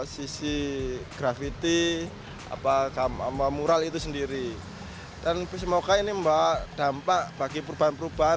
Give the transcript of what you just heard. sisi grafiti apa sama mural itu sendiri dan semoga ini membawa dampak bagi perubahan perubahan